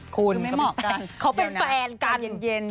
คือไม่เหมาะกันเดี๋ยวนะได้เย็น